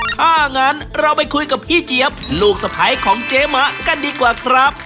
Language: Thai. ถ้างั้นเราไปคุยกับพี่เจี๊ยบลูกสะพ้ายของเจ๊มะกันดีกว่าครับ